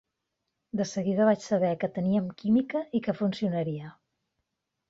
De seguida vaig saber que teníem química i que funcionaria.